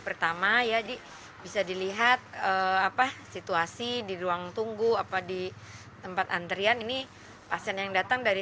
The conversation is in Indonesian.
pertama ya di bisa dilihat apa situasi di ruang tunggu apa di tempat antrian ini pasien yang datang dari